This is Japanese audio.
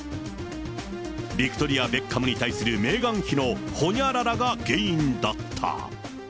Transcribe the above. ビクトリア・ベッカムがメーガン妃のほにゃららが原因だった。